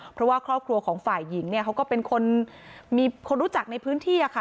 เพราะว่าครอบครัวของฝ่ายหญิงเนี่ยเขาก็เป็นคนมีคนรู้จักในพื้นที่อะค่ะ